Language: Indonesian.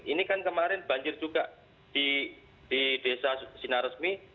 ini kan kemarin banjir juga di desa sinaresmi